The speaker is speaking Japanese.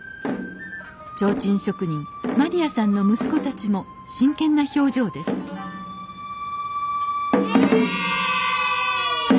提灯職人まりやさんの息子たちも真剣な表情ですえいや！